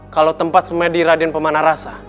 kalau tempat semedir raden pemanah rasa